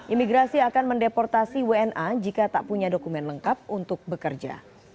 imigrasi akan mendeportasi wna jika tak punya dokumen lengkap untuk bekerja